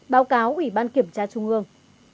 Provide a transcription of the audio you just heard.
báo cáo ủy ban kiểm tra trung ương